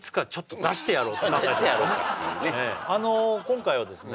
今回はですね